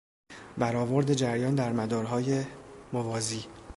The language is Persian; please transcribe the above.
برآورد جریان در مدارهای موازی